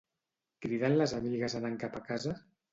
Criden les amigues anant cap a casa?